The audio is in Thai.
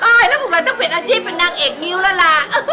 ตายแล้วของเราก็ต้องเฟจอาจีบเป็นนางเอกงิ้วละลา